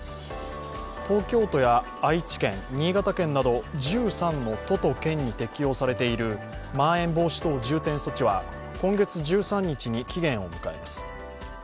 東京都や愛知県、新潟県など１３の都と県に適用されているまん延防止等重点措置は今月１３日に期限を迎えます。